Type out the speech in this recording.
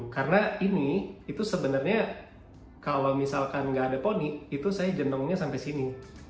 karena ini itu sebenarnya kalau misalkan nggak ada poni itu saya jenongnya sampai sini